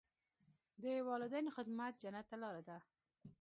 د والدینو خدمت جنت ته لاره ده.